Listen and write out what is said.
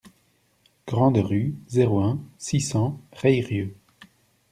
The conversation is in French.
Grande Rue, zéro un, six cents Reyrieux